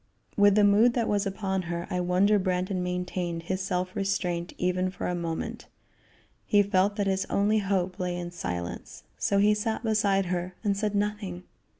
With the mood that was upon her, I wonder Brandon maintained his self restraint even for a moment. He felt that his only hope lay in silence, so he sat beside her and said nothing.